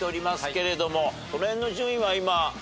その辺の順位は今。